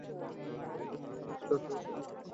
আমাদের মা আমাদের আঁকা ছবি কখনও ফেলে দেয় না।